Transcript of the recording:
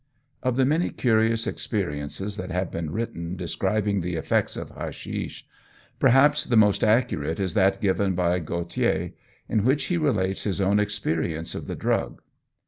Of the many curious experiences that have been written describing the effects of hashish, perhaps the most accurate is that given by Gautier, in which he relates his own experience of the drug.